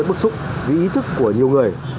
rất bức xúc vì ý thức của nhiều người